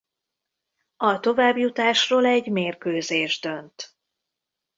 A továbbjutásról egy mérkőzés dönt.